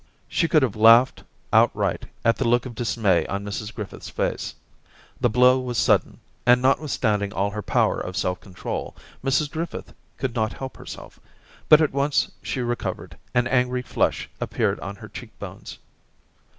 She could have laughed outright at the look of dismay on Mrs Griffith's face. The blow was sudden, and notwithstanding all her power of self control, Mrs Griffith could not help herself. But at once she recovered, an angry flush appeared on her cheek bones.